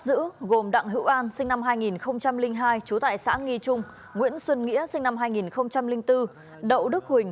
bắt giữ gồm đặng hữu an sinh năm hai nghìn hai trú tại xã nghi trung nguyễn xuân nghĩa sinh năm hai nghìn bốn đậu đức huỳnh